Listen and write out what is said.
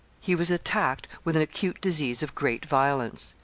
He was attacked with an acute disease of great violence.